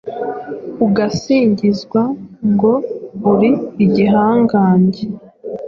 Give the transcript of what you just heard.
ugasingizwa ngo uri igihangange